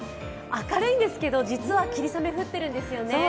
明るいんですけど、実は霧雨降っているんですよね。